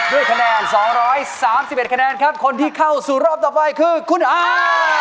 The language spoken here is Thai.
ด้วยคะแนนสองร้อยสามสิบเอ็ดคะแนนครับคนที่เข้าสู่รอบต่อไปคือคุณไอ